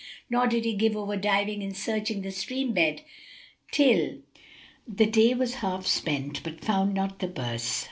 Nor did he give over diving and searching the stream bed, till the day was half spent, but found not the purse.